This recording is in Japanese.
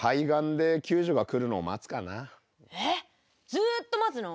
ずっと待つの？